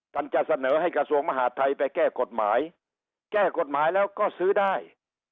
จะเสนอให้กระทรวงมหาดไทยไปแก้กฎหมายแก้กฎหมายแล้วก็ซื้อได้